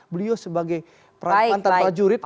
beliau sebagai antar prajurit